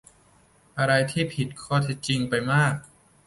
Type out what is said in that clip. อะไรที่ผิดข้อเท็จจริงไปมาก